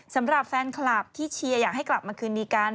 สำหรับแฟนคลับที่เชียร์อยากให้กลับมาคืนดีกัน